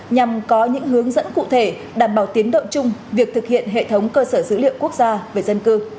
nhằm có những hướng dẫn cụ thể đảm bảo tiến độ chung việc thực hiện hệ thống cơ sở dữ liệu quốc gia về dân cư